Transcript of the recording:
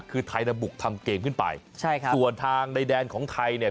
คือไทยน่ะบุกทำเกมขึ้นไปใช่ค่ะส่วนทางในแดนของไทยเนี่ย